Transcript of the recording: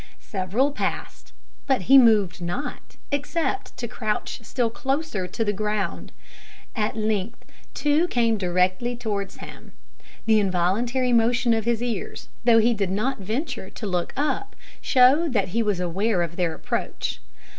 Several passed, but he moved not, except to crouch still closer to the ground. At length two came directly towards him. The involuntary motion of his ears, though he did not venture to look up, showed that he was aware of their approach.